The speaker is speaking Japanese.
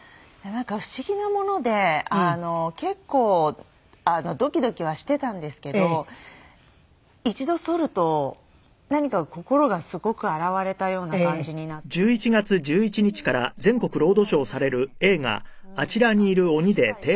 なんか不思議なもので結構ドキドキはしていたんですけど一度剃ると何か心がすごく洗われたような感じになって不思議な気持ちになりましたね。